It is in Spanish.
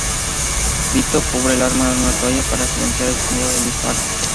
Vito cubre el arma en una toalla para silenciar el sonido del disparo.